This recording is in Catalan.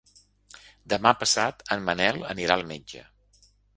Demà passat en Manel anirà al metge.